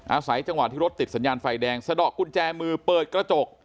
อาศัยจังหวะที่รถติดสัญญาณไฟแดงสะดอกกุญแจมือเปิดกระจก